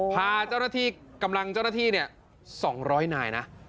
พาเจ้าหน้าที่กำลังเจ้าหน้าที่๒๐๐นายนะ